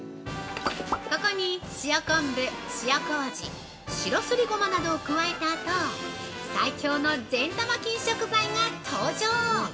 ◆ここに、塩昆布・塩こうじ白すりごまなどを加えたあと、最強の善玉菌食材が登場！